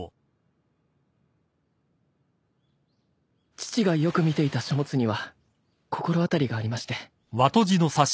父がよく見ていた書物には心当たりがありまして。